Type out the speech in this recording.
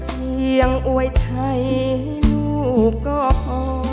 เพียงอวยใจลูกก็พอ